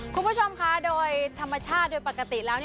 คุณผู้ชมคะโดยธรรมชาติโดยปกติแล้ว